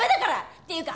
っていうか